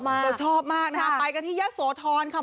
เราชอบมากนะคะไปกันที่ยะโสธรค่ะ